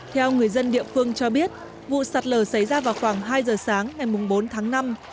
theo người dân địa phương cho biết vụ sạt lở xảy ra vào khoảng hai giờ sáng ngày bốn tháng năm